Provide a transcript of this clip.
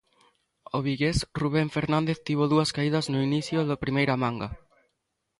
O vigués Rubén Fernández tivo dúas caídas no inicio da primeira manga.